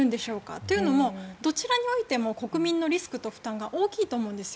というのもどちらにおいても国民のリスクと負担が大きいと思うんですよ。